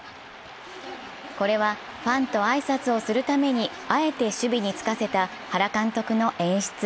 これはファンと挨拶をするためにあえて守備につかせた原監督の演出。